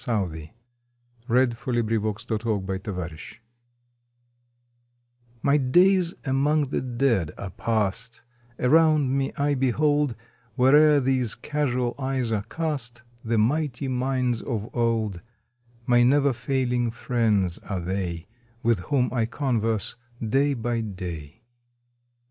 Stanzas Written in His Library 1V/TY days among the Dead are past; *•• Around me I behold, Where'er these casual eyes are cast, The mighty minds of old; My never failing friends are they, With whom I converse day by day.